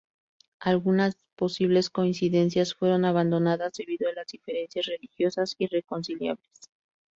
Algunas posibles coincidencias fueron abandonadas debido a las diferencias religiosas irreconciliables.